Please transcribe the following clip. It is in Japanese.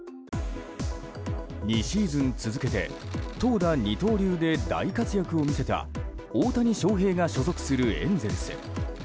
２シーズン続けて投打二刀流で大活躍を見せた大谷翔平が所属するエンゼルス。